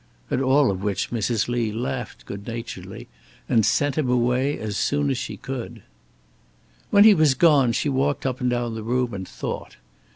At all which Mrs. Lee laughed good naturedly, and sent him away as soon as she could. When he was gone, she walked up and down the room and thought.